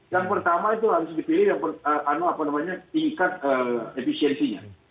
yang pertama itu harus dipilih yang tingkat efisiensinya